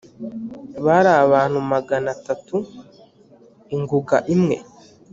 bari abantu magana atatu ingunga imwe